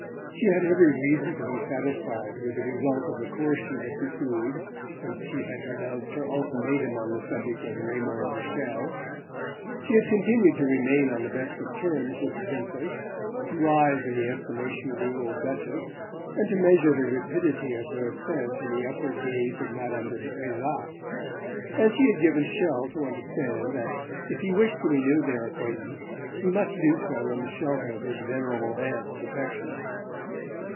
She had every reason to be satisfied with the result of the course she had pursued since she had pronounced her ultimatum on the subject of Raymond de Chelles. She had continued to remain on the best of terms with the Princess, to rise in the estimation of the old Duchess, and to measure the rapidity of her ascent in the upward gaze of Madame de Trezac; and she had given Chelles to understand that, if he wished to renew their acquaintance, he must do so in the shelter of his venerable aunt's protection.